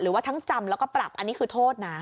หรือว่าทั้งจำแล้วก็ปรับอันนี้คือโทษนะ